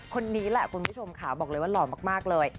คนนี้แหละคุณผู้ชมค่ะบอกเลยว่าหล่อมากเลย